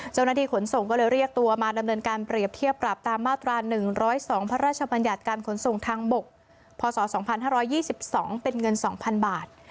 เจ้าหน้าที่ขนส่งก็เลยเรียกตัวมาดำเนินการเปรียบเทียบปรับตามมาตราหนึ่งร้อยสองพระราชบัญญัติการขนส่งทางบกพศสองพันห้าร้อยยี่สิบสองเป็นเงินสองพันบาท